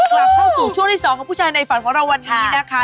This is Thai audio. วู้หูใครปล่อยกลับเข้าสู่ช่วงที่๒ของผู้ชายในฝันของเราวันนี้นะคะ